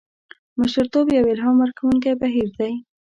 مشرتوب یو الهام ورکوونکی بهیر دی.